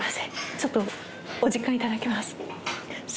ちょっとお時間いただきます